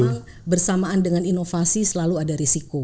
memang bersamaan dengan inovasi selalu ada risiko